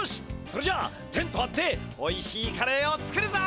それじゃあテントはっておいしいカレーを作るぞ！